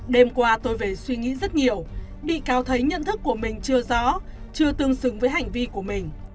đêm qua tôi về suy nghĩ rất nhiều bị cáo thấy nhận thức của mình chưa rõ chưa tương xứng với hành vi của mình